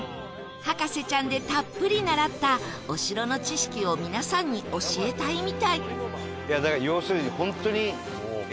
『博士ちゃん』でたっぷり習ったお城の知識を皆さんに教えたいみたいだから要するに。